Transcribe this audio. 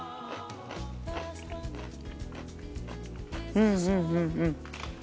うんうんうんうん。